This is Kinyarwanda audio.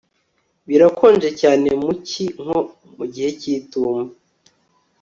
Birakonje cyane mu cyi nko mu gihe cyitumba